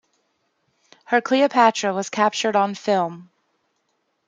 Her Cleopatra was captured on film.